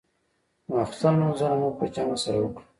د ماخستن لمونځونه مو په جمع سره وکړل.